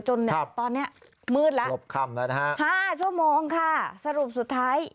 จนตอนนี้มืดแล้วนะครับห้าชั่วโมงค่ะสรุปสุดท้าย